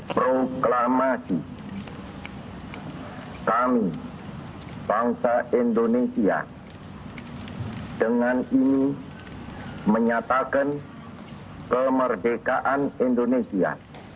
proklamasi kami bangsa indonesia dengan ini menyatakan kemerdekaan indonesia